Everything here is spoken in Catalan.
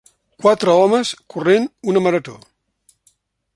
Quatre homes corrent una marató.